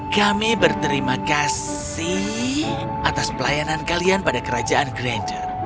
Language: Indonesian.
kami berterima kasih atas pelayanan kalian pada kerajaan granger